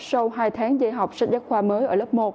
sau hai tháng dạy học sách giáo khoa mới ở lớp một